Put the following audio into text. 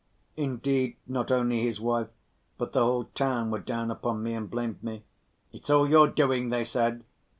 Indeed, not only his wife but the whole town were down upon me and blamed me. "It's all your doing," they said.